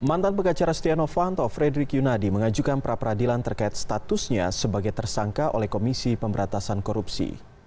mantan pegacara stiano fanto fredrik yunadi mengajukan pra peradilan terkait statusnya sebagai tersangka oleh komisi pemberantasan korupsi